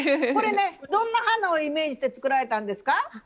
これねどんな花をイメージして作られたんですか？